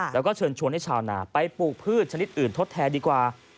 แล้วก็เชิญชวนให้ชาวนาไปปลูกพืชชนิดอื่นทดแทนดีกว่า